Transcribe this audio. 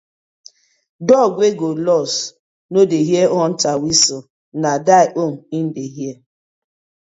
Dog wey go lost no dey hear hunter whistle na die own im dey hear.